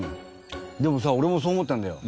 でもさ俺もそう思ったんだよ。